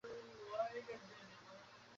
সবারই কিছু না কিছু করার থাকে।